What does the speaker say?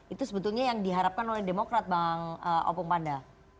itu sebetulnya yang diharapkan oleh demokrat bang opung panda